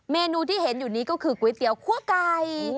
เมนูที่เห็นอยู่นี้ก็คือก๋วยเตี๋ยวคั่วไก่